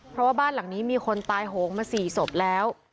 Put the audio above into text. เพราะว่าบ้านหลังนี้มีคนตายโหงมา๔ศพแล้ว